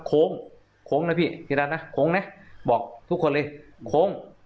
โค้งโค้งนะพี่พี่รัฐนะโค้งนะบอกทุกคนเลยโค้ง